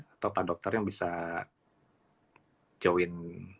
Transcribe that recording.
atau pak dokter yang bisa join